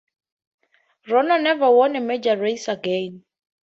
Rono never won a major race again.